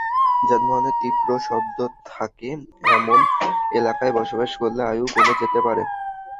যানবাহনের তীব্র শব্দ থাকে, এমন এলাকায় বসবাস করলে আয়ু কমে যেতে পারে।